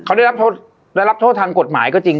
เขาได้รับโทษทางกฎหมายก็จริง